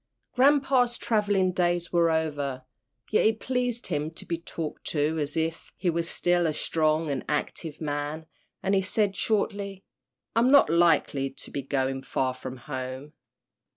Grampa's travelling days were over, yet it pleased him to be talked to as if he were still a strong and active man, and he said, shortly, "I'm not likely to be going far from home."